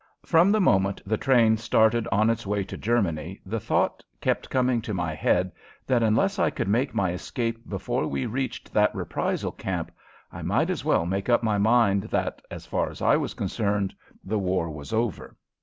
From the moment the train started on its way to Germany the thought kept coming to my head that unless I could make my escape before we reached that reprisal camp I might as well make up my mind that, as far as I was concerned, the war was over.